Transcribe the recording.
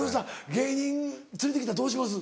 芸人連れて来たらどうします？